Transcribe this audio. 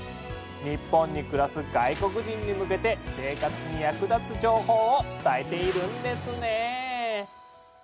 日本に暮らす外国人に向けて生活に役立つ情報を伝えているんですね。